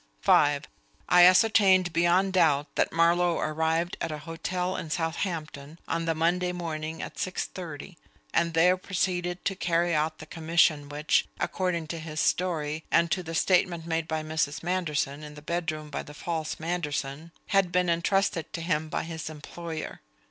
(5) I ascertained beyond doubt that Marlowe arrived at a hotel in Southampton on the Monday morning at six thirty, and there proceeded to carry out the commission which, according to his story, and to the statement made to Mrs. Manderson in the bedroom by the false Manderson, had been entrusted to him by his employer.